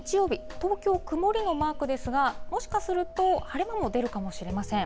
東京、曇りのマークですが、もしかすると、晴れ間も出るかもしれません。